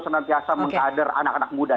senantiasa mengkader anak anak muda